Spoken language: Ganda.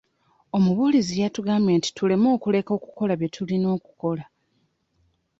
Omubuulizi yatugambye nti tuleme kuleka kukola bye tulina okukola.